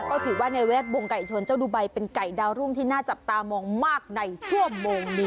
ก็ถือว่าในแวดวงไก่ชนเจ้าดูไบเป็นไก่ดาวรุ่งที่น่าจับตามองมากในชั่วโมงนี้